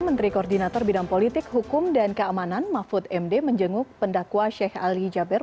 menteri koordinator bidang politik hukum dan keamanan mahfud md menjenguk pendakwa sheikh ali jaber